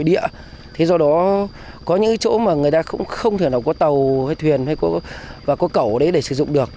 do đó có những chỗ mà người ta không thể nào có tàu hay thuyền hay có cẩu để sử dụng được